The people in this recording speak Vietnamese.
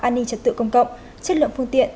an ninh trật tự công cộng chất lượng phương tiện